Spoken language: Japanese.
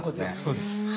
そうです。